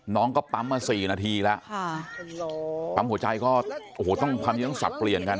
น้องก็ปัมมา๔นาทีแล้วปั๊มหัวใจก็ต้องทำยังสับเรียนกัน